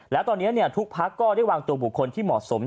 แล้วตอนนี้ทุกพักก็ได้วางตัวบุคคลที่เหมาะสม